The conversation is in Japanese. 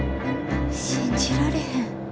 信じられへん。